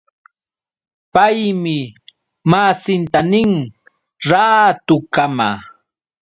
Paymi masinta nin: Raatukama.